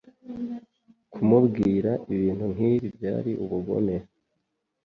Kumubwira ibintu nkibi byari ubugome.